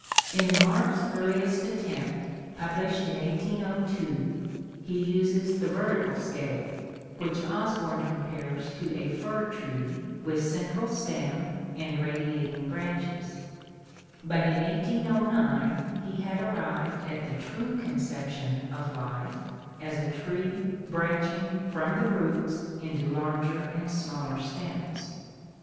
In Lamarck's earliest attempt, published in 1802, he uses the vertical scale, which Osborn compares to a fir tree with central stem and radiating branches; but in 1809 he had arrived at the true conception of life as a tree branching from the roots into larger and smaller stems.